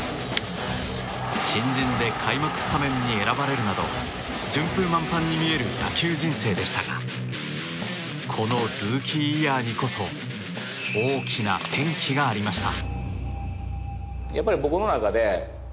新人で開幕スタメンに選ばれるなど順風満帆に見える野球人生でしたがこのルーキーイヤーにこそ大きな転機がありました。